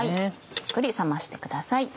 ゆっくり冷ましてください。